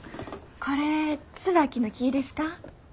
これツバキの木ですか？